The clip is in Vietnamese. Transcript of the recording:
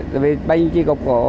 tại vì bên kia còn có